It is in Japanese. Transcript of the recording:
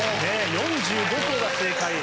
４５校が正解。